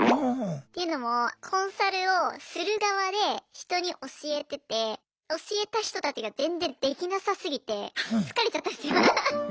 というのもコンサルをする側で人に教えてて教えた人たちが全然できなさすぎて疲れちゃったんですよ。